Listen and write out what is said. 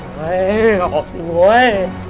เฮ้ยเอาออกจริงเว้ย